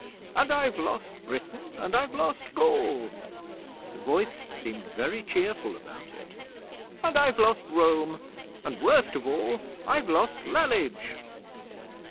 And I've lost Britain, and I've lost Gaul,' (the voice seemed very cheerful about it), 'And I've lost Rome, and, worst of all, I've lost Lalage!'